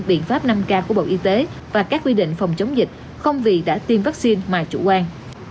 biện pháp năm k của bộ y tế và các quy định phòng chống dịch không vì đã tiêm vaccine mà chủ quan